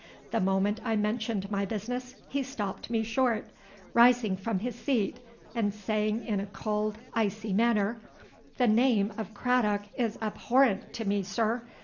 The moment I mentioned my business, he stopped me short,—rising from his seat, and saying in a cold, icy manner, 'The name of Craddock is abhorrent to me, sir.